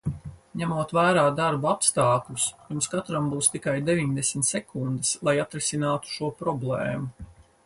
Ņemot vērā darba apstākļus, jums katram būs tikai deviņdesmit sekundes, lai atrisinātu šo problēmu.